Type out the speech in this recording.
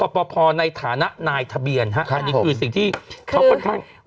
ขอบพอบพอในฐานะนายทะเบียนครับครับอันนี้คือสิ่งที่คือ